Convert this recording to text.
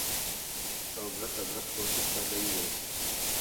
تُو گھٹ آ گھٹ کوشش تا کَئی ہے